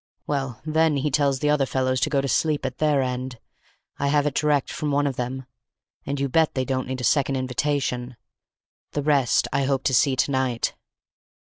Well, then, he tells the other fellows to go to sleep at their end—I have it direct from one of them—and you bet they don't need a second invitation. The rest I hope to see to night."